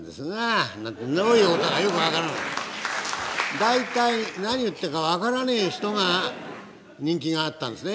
大体何を言ってるか分からねえ人が人気があったんですね。